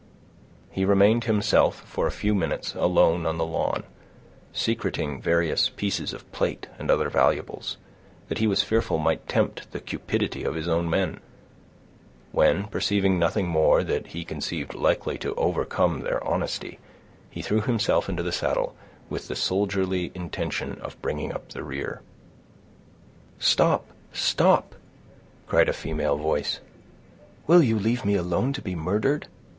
He remained himself, for a few minutes, alone on the lawn, secreting various pieces of plate and other valuables, that he was fearful might tempt the cupidity of his own men; when, perceiving nothing more that he conceived likely to overcome their honesty, he threw himself into the saddle with the soldierly intention of bringing up the rear. "Stop, stop," cried a female voice. "Will you leave me alone to be murdered?